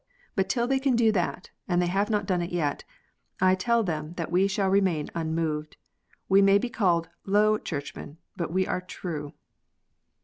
But till they can do that, and they have not done it yet, I tell them thai we shall remain unmoved. We may be called "low" Churchmen, but we are "true."